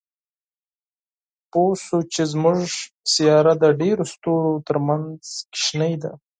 پوه شو چې زموږ سیاره د ډېرو ستورو تر منځ کوچنۍ ده.